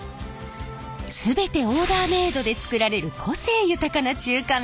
全てオーダーメードで作られる個性豊かな中華麺。